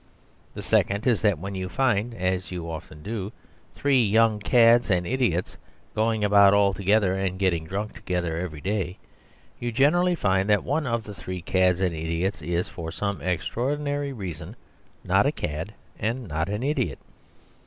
The second is that when you find (as you often do) three young cads and idiots going about together and getting drunk together every day you generally find that one of the three cads and idiots is (for some extraordinary reason) not a cad and not an idiot.